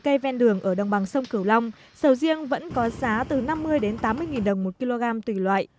cây ven đường ở đồng bằng sông cửu long sầu riêng vẫn có giá từ năm mươi tám mươi nghìn đồng một kg tùy loại